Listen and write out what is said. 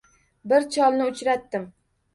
Bir cholni uchratdim